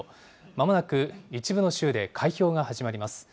まもなく一部の州で開票が始まります。